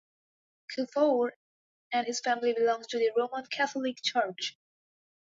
Kufuor and his family belong to the Roman Catholic Church.